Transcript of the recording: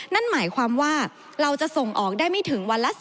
นั่นหมายความว่าเราจะส่งออกได้ไม่ถึงวันละ๑๐